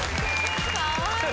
かわいい。